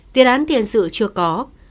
tiền án tiền sự chưa có